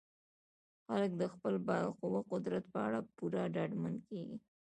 خلک د خپل بالقوه قدرت په اړه پوره ډاډمن کیږي.